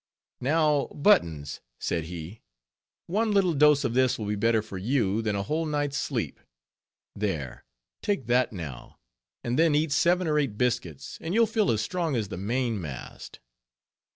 "Now, Buttons," said he, "one little dose of this will be better for you than a whole night's sleep; there, take that now, and then eat seven or eight biscuits, and you'll feel as strong as the mainmast."